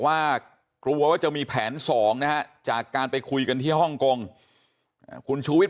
ว่ากลัวว่าจะมีแผนสองนะฮะจากการไปคุยกันที่ฮ่องกงคุณชูวิทย